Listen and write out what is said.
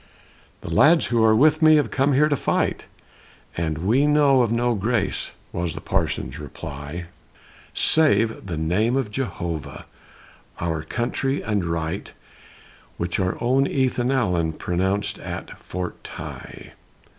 '" "The lads who are with me have come here to fight, And we know of no grace," was the Parson's reply, "Save the name of Jehovah, our country and right, Which your own Ethan Allen pronounced at Fort Ti."